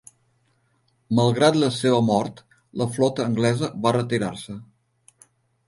Malgrat la seva mort, la flota anglesa va retirar-se.